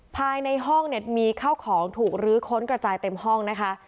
ภายในห้องเนี่ยมีข้าวของถูกลื้อค้นกระจายเต็มห้องนะคะ